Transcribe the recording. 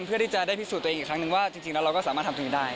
เพื่อที่จะได้พิสูจน์ตัวเองอีกครั้งนึงว่าจริงแล้วเราก็สามารถทำตรงนี้ได้